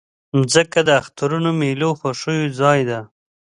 مځکه د اخترونو، میلو، خوښیو ځای ده.